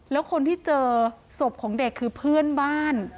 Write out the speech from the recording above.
แล้วคนที่เจอศพของเด็กคือเพื่อนบ้าน